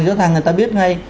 rõ ràng người ta biết ngay